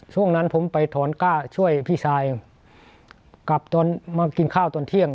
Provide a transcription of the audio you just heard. ช่วงนั้นผมไปถอนก้าช่วยพี่ชายกลับตอนมากินข้าวตอนเที่ยง